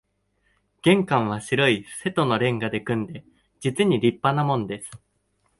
玄関は白い瀬戸の煉瓦で組んで、実に立派なもんです